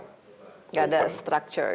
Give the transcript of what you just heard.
tidak ada struktur